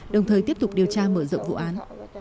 đồng thời tiếp tục điều tra mở rộng vụ án